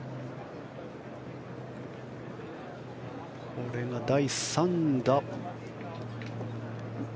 これが第３打。